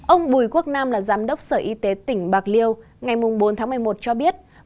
ông bùi quốc nam là giám đốc sở y tế tỉnh bạc liêu ngày bốn tháng một mươi một cho biết